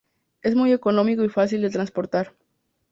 Es muy económico y fácil de transportar.